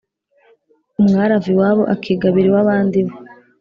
umwali ava iwabo akigabira iw’abandi we